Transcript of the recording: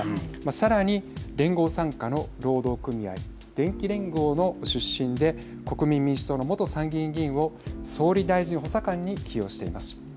さらに、連合傘下の労働組合電機連合の出身で国民民主との元参議院議員を総理大臣補佐官に起用しています。